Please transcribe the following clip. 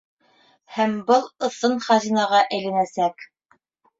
Һәм был ысын хазинаға әйләнәсәк.